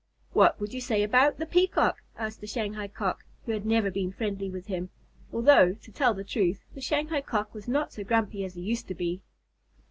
"What would you say about the Peacock?" asked the Shanghai Cock, who had never been friendly with him, although, to tell the truth, the Shanghai Cock was not so grumpy as he used to be.